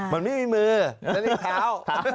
มันไม่มีมือและนี่เท้า